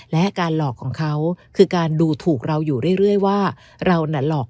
และการหลอกของเขาคือการดูถูกเราอยู่เรื่อยว่าเราน่ะหลอก